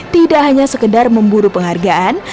tidak hanya sekedar memburu penghargaan